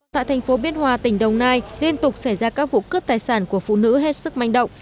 tại thành phố biên hòa tỉnh đồng nai liên tục xảy ra các vụ cướp tài sản của phụ nữ hết sức manh động